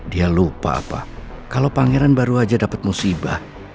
dia lupa apa kalau pangeran baru aja dapet musibah